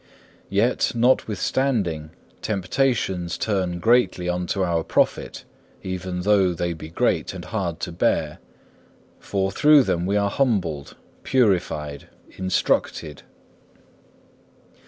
2. Yet, notwithstanding, temptations turn greatly unto our profit, even though they be great and hard to bear; for through them we are humbled, purified, instructed.